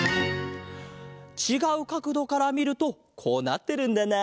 ちがうかくどからみるとこうなってるんだな。